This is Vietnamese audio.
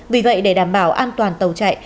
vì vậy để đảm bảo an toàn tàu chạy